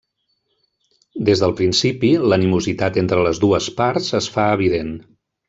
Des del principi, l'animositat entre les dues parts es fa evident.